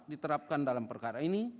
diterapkan dalam perkara ini